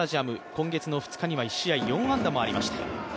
今月の２日には１試合４安打もありました。